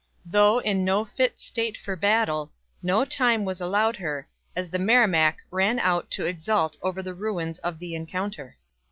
Though in no fit state for battle, no time was allowed her, as the Merrimac ran out to exult over the ruins of the encounter.